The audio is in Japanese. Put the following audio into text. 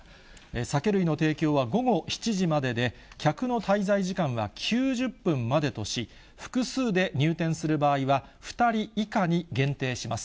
酒類の提供は、午後７時までで、客の滞在時間は９０分までとし、複数で入店する場合は、２人以下に限定します。